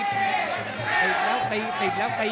แต่ถึงตอนที่นี่เลยครับ